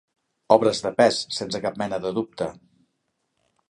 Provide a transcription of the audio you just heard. Obres de pes, sense cap mena de dubte.